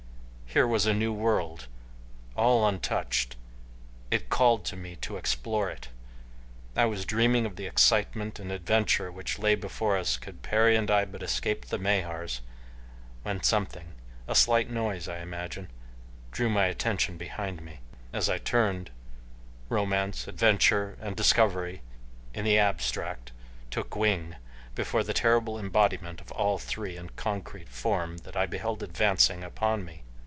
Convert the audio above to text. Here was a new world, all untouched. It called to me to explore it. I was dreaming of the excitement and adventure which lay before us could Perry and I but escape the Mahars, when something, a slight noise I imagine, drew my attention behind me. As I turned, romance, adventure, and discovery in the abstract took wing before the terrible embodiment of all three in concrete form that I beheld advancing upon me.